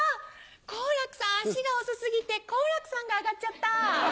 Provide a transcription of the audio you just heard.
好楽さん足が遅過ぎて好楽さんが揚がっちゃった。